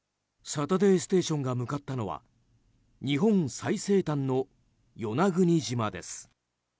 「サタデーステーション」が向かったのは日本最西端の与那国島です。